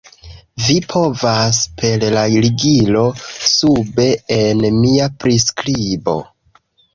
Vi povas per la ligilo sube en mia priskribo